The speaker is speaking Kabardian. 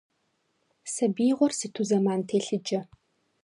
Сабиигъуэр сыту зэман телъыджэ.